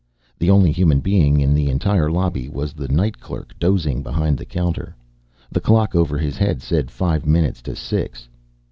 The only human being in the entire lobby was the night clerk dozing behind the counter. The clock over his head said five minutes to six.